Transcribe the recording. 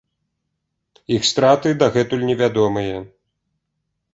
Іх страты дагэтуль невядомыя.